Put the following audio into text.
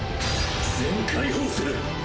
全解放する！